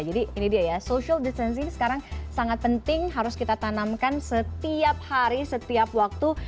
jadi ini dia ya social distancing sekarang sangat penting harus kita tanamkan setiap hari setiap waktu